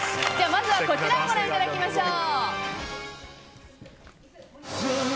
まずはこちらをご覧いただきましょう。